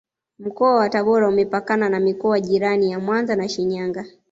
Mkoa wa tabora Umepakana na mikoa jirani ya Mwanza na Shinyanga